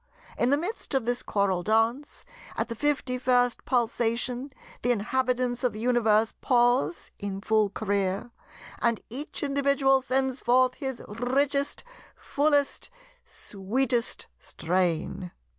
In the midst of this choral dance, at the fifty first pulsation, the inhabitants of the Universe pause in full career, and each individual sends forth his richest, fullest, sweetest strain.